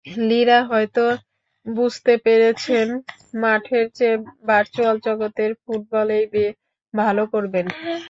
লিরা হয়তো বুঝতে পেরেছেন, মাঠের চেয়ে ভার্চুয়াল জগতের ফুটবলেই ভালো করবেন।